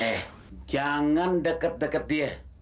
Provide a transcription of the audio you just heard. eh jangan deket deket dia